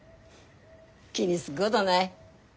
気にすっこどない。